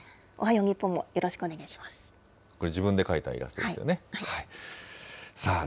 おはよう日これ自分で描いたイラストですよね。